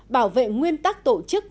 bảo vệ nguyên tắc tổ chức